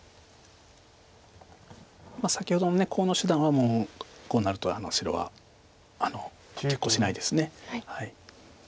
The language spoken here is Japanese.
先ほどのコウの手段はこうなると白は決行しないです。